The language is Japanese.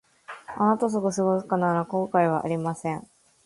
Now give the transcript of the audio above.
あなたと過ごすなら後悔はありません